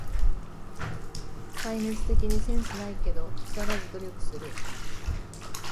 壊滅的にセンスないけど、くさらず努力する